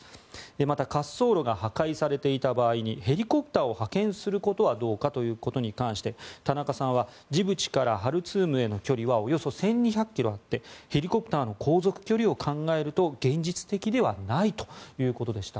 また、滑走路が破壊されていた場合にヘリコプターを派遣することはどうかということに関して田中さんはジブチからハルツームへの距離はおよそ１２００ｋｍあってヘリコプターの航続距離を考えると現実的ではないということでした。